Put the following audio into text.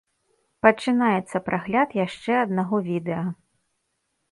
Пачынаецца прагляд яшчэ аднаго відэа.